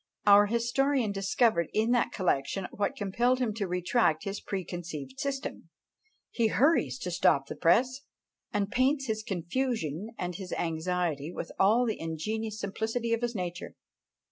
Our historian discovered in that collection what compelled him to retract his preconceived system he hurries to stop the press, and paints his confusion and his anxiety with all the ingenuous simplicity of his nature.